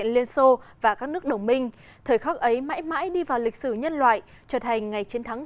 liên xô và các nước đồng minh thời khắc ấy mãi mãi đi vào lịch sử nhân loại trở thành ngày chiến thắng